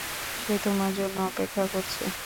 সে তোমার জন্য অপেক্ষা করছে।